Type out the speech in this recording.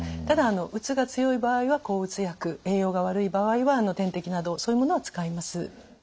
ただうつが強い場合は抗うつ薬栄養が悪い場合は点滴などそういうものは使います。